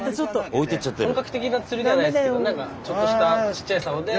本格的な釣りではないんですけどなんかちょっとしたちっちゃいサオで。